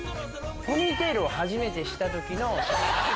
ポニーテールを初めてした時。